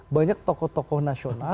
banyak tokoh tokoh nasional